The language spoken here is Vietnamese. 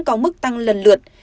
có mức tăng lần lượt